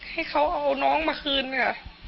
ให้เขาเอาน้องมาคืนค่ะ